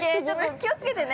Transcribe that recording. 気をつけてね。